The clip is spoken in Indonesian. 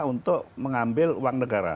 untuk mengambil uang negara